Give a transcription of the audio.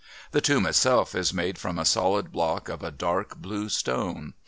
The tomb itself is made from a solid block of a dark blue stone.